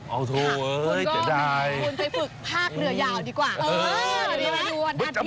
เอาถูกจะได้คุณก็คุณไปฝึกภาคเรือยาวดีกว่า